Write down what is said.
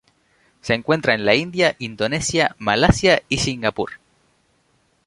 Se encuentra en la India, Indonesia, Malasia, y Singapur.